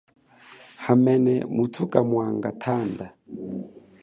Hamene muthu mwanga thanda.